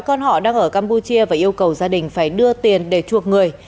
con họ đang ở campuchia và yêu cầu gia đình phải đưa tiền để chuộc người